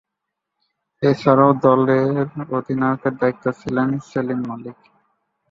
এছাড়াও দলের অধিনায়কের দায়িত্বে ছিলেন সেলিম মালিক।